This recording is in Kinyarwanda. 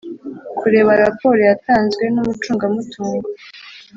kureba raporo yatanzwe n umucungamutungo